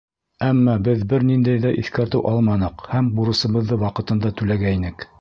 Әммә беҙ бер ниндәй ҙә иҫкәртеү алманыҡ һәм бурысыбыҙҙы ваҡытында түләгәйнек.